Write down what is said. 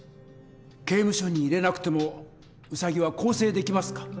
刑務所に入れなくてもウサギは更生できますか？